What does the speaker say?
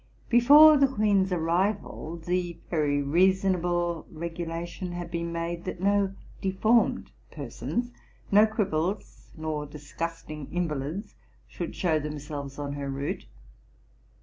Before the queen's arrival, the very reasonable regulation had been made, that no deformed persons, no cripples nor disgusting invalids, should show themselves on her route.